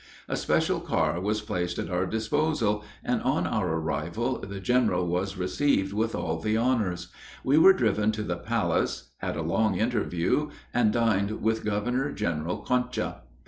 A special car was placed at our disposal, and on our arrival the general was received with all the honors. We were driven to the palace, had a long interview, and dined with Governor General Concha.